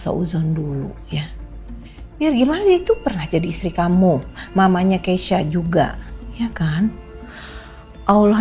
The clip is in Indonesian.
seuzon dulu ya biar gimana itu pernah jadi istri kamu mamanya keisha juga ya kan allah